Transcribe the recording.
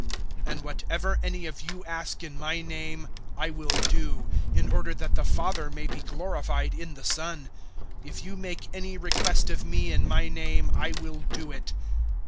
014:013 And whatever any of you ask in my name, I will do, in order that the Father may be glorified in the Son. 014:014 If you make any request of me in my name, I will do it.